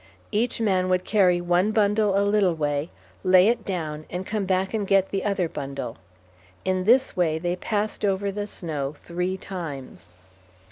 Each man would carry one bundle a little way, lay it down, and come back and get the other bundle. In this way they passed over the snow three times.